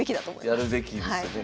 やるべきですよね。